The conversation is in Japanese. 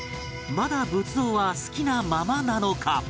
まだ仏像は好きなままなのか？